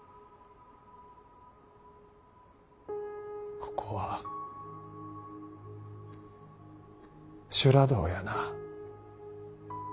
ここは修羅道やな玉栄。